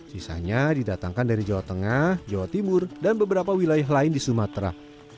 sisanya didatangkan dari jawa tengah jawa timur dan beberapa wilayah lain di sumatera